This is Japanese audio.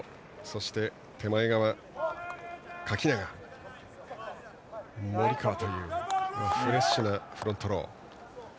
そして森川というフレッシュなフロントロー。